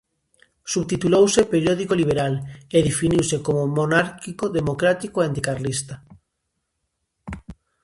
Subtitulouse "Periódico liberal" e definiuse como monárquico-democrático e anticarlista.